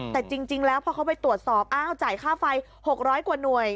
แต่จริงแล้วพอเขาไปตรวจสอบอ้าวจ่ายค่าไฟ๖๐๐กว่าหน่วย